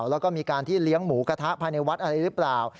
แล้วก็มีการที่เลี้ยงหมูกระทะภายในวัดอะไรหรือเปล่า